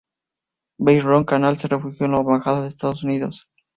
Boisrond-Canal se refugió en la embajada de Estados Unidos.